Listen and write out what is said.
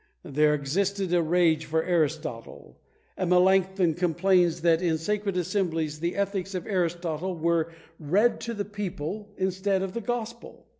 There existed a rage for Aristotle; and Melancthon complains that in sacred assemblies the ethics of Aristotle were read to the people instead of the gospel.